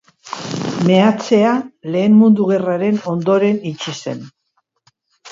Meatzea Lehen Mundu Gerraren ondoren itxi zen.